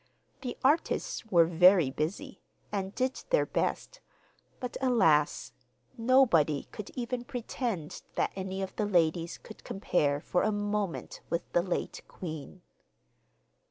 The artists were very busy and did their best, but, alas! nobody could even pretend that any of the ladies could compare for a moment with the late queen.